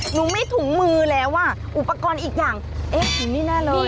หนูไม่ถุงมือแล้วอ่ะอุปกรณ์อีกอย่างเอ๊ะนี่แน่เลย